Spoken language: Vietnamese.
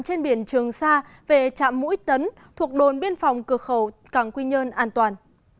trên biển trường sa về trạm mũi tấn thuộc đồn biên phòng cửa khẩu cảng quy nhơn an toàn